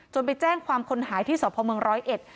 จนไปแจ้งความขนหายที่พศ๑๐๑